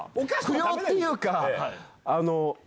不良っていうか。